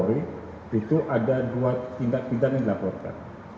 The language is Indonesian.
itu ada dua tindak pidana yang dilaporkan